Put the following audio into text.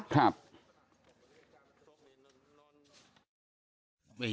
ครับ